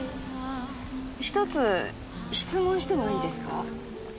１つ質問してもいいですか？